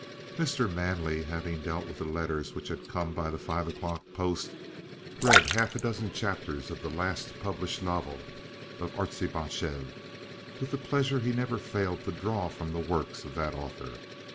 Mr. Manley, having dealt with the letters which had come by the five o'clock post, read half a dozen chapters of the last published novel of Artzybachev with the pleasure he never failed to draw from the works of that author.